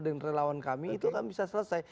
dan relawan kami itu kan bisa selesai